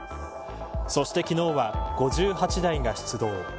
そして昨日は５８台が出動。